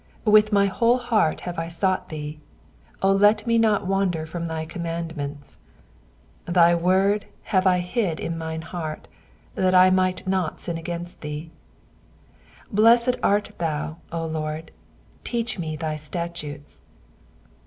10 With my whole heart have I sought thee : O let me not wander from thy commandments. 1 1 Thy word have I hid in mine heart, that I might not sin against thee. 12 Blessed art thou, O Lord : teach me thy statutes.